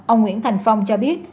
ông nguyễn thành phong cho biết